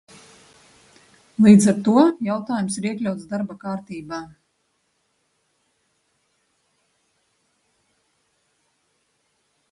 Līdz ar to jautājums ir iekļauts darba kārtībā.